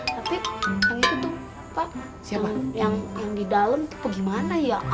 tapi yang itu tuh pak siapa yang yang di dalem tuh gimana ya